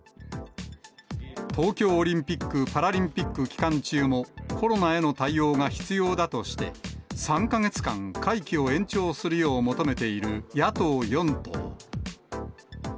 東京オリンピック・パラリンピック期間中も、コロナへの対応が必要だとして、３か月間、会期を延長するよう求めている野党４党。